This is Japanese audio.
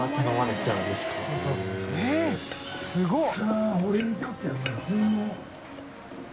┐すごい！